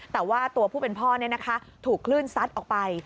แต่ว่าตัวผู้เป็นพ่อถูกคลื่นซัดออกไป